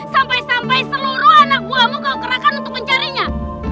sampai sampai seluruh anak buahmu kau gerakan untuk mencarinya